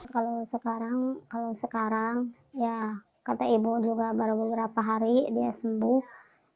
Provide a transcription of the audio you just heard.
kalau sekarang kalau sekarang ya kata ibu juga baru beberapa hari dia sembuh